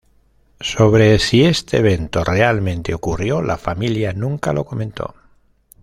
Sobre si este evento realmente ocurrió, la familia nunca lo comentó.